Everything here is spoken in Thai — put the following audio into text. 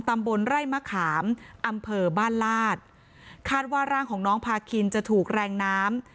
ตำบลไร่มะขามอำเภอบ้านลาดคาดว่าร่างของน้องพาคินจะถูกแรงน้ำ